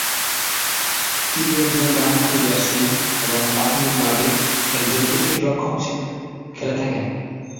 তিনি একজন ডানহাতি ব্যাটসম্যান এবং প্রাথমিকভাবে একজন উইকেটরক্ষক হিসাবে খেলে থাকেন।